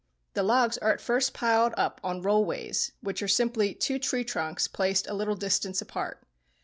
The logs are at first piled up on "roll ways," which are simply two tree trunks placed a little distance apart.